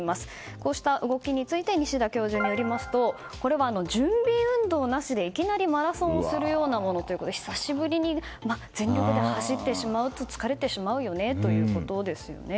こうした動きについて西多教授によりますとこれは準備運動なしでいきなりマラソンをするようなものということで久しぶりに全力で走ってしまうと疲れてしまうよねということですよね。